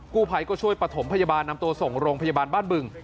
กู้ภัยก็ช่วยประถมพยาบาลนำตัวส่งโรงพยาบาลบ้านบึง